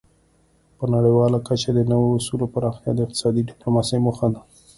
په نړیواله کچه د نوي اصولو پراختیا د اقتصادي ډیپلوماسي موخه ده